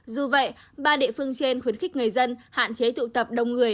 dù vậy ba địa phương trên khuyến khích người dân hạn chế tụ tập đông người